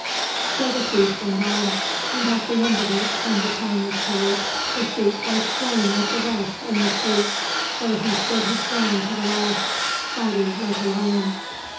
So the siege went on, and at the end of it, when the town was carried, the sheikh was slain with the rest in the streets, where he stood his ground to the last, fighting like a lion.